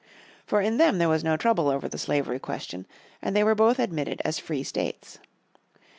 For in them there was no trouble over the slavery question, and they were both admitted as free states.